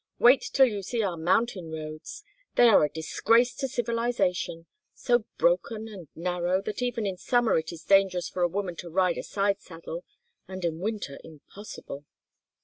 Wait till you see our mountain roads. They are a disgrace to civilization so broken and narrow that even in summer it is dangerous for a woman to ride a side saddle, and in winter impossible.